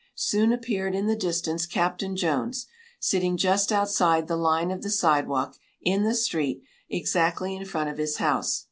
Soon appeared in the distance Captain Jones, sitting just outside the line of the sidewalk, in the street, exactly in front of his house.